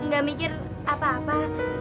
gak mikir apa apa